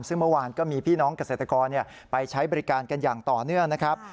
ซึ่งเมื่อวานก็มีพี่น้องเกษตรกรไปใช้บริการกันอย่างต่อเนื่องนะครับ